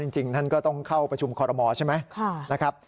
จริงท่านก็ต้องเข้าประชุมคอรมอใช่ไหมนะครับ